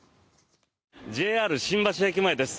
ＪＲ新橋駅前です。